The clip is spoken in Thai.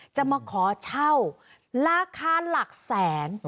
จะมาขอเช่าราคาหลักแสน